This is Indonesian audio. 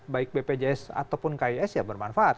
baik bpjs ataupun kis ya bermanfaat